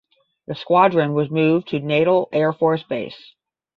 The squadron was moved to Natal Air Force Base.